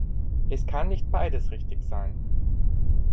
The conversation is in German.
Es kann nicht beides richtig sein.